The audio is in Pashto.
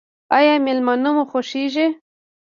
ایا میلمانه مو خوښیږي؟